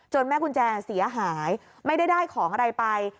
แม่กุญแจเสียหายไม่ได้ได้ของอะไรไป